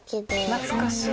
懐かしい。